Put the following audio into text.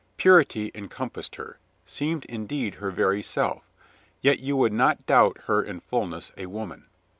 Purity encompassed her, seemed indeed her very self, yet you would not doubt her in fullness a woman.